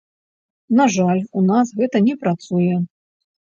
На жаль, у нас гэта не працуе.